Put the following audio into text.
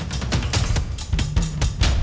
dia pasti menangkan diri